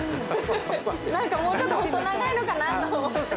なんか、もうちょっと細長いのかなって思って。